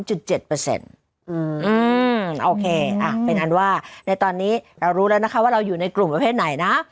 โอเคเป็นอันว่าในตอนนี้เรารู้แล้วนะคะว่าเราอยู่ในกลุ่มประเภทไหนนะ